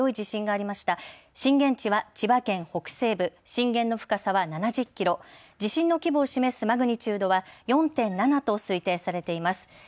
震源地は千葉県北西部、震源の深さは７０キロ、地震の規模を示すマグニチュードは４．７と推定されています。